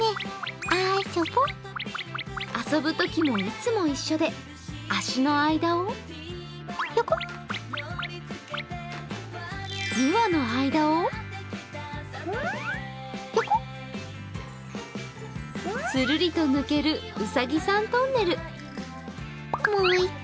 遊ぶときもいつも一緒で足の間を２羽の間をするりと抜けるうさぎさんトンネル。